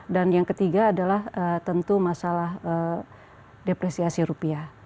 dan yang ketiga adalah tentu masalah depresiasi rupiah